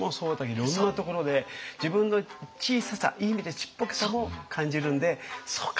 いろんなところで自分の小ささいい意味でちっぽけさも感じるんで「そうか」って。